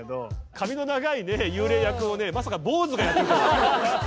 髪の長いね幽霊役をねまさか坊主がやってるとは。